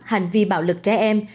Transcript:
hành vi bạo lực trẻ em